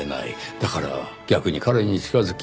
だから逆に彼に近づき